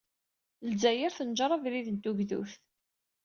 Lezzayer tenjeṛ abrid n tugdut.